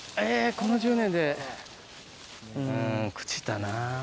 この１０年でうん朽ちたなぁ。